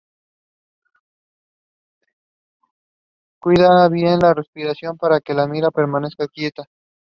They were all shot in the head.